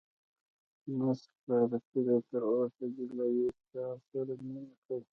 مس بارکلي: تر اوسه دې له یو چا سره مینه کړې؟